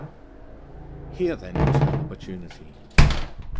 Here, then, was her opportunity.